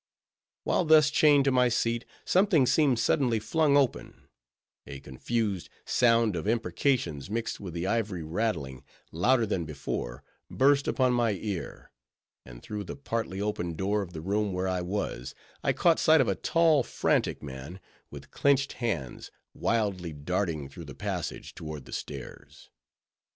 While thus chained to my seat, something seemed suddenly flung open; a confused sound of imprecations, mixed with the ivory rattling, louder than before, burst upon my ear, and through the partly open door of the room where I was, I caught sight of a tall, frantic man, with clenched hands, wildly darting through the passage, toward the stairs.